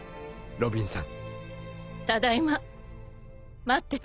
ロビンさん。